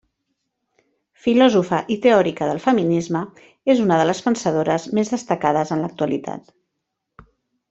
Filòsofa i teòrica del feminisme, és una de les pensadores més destacades en l'actualitat.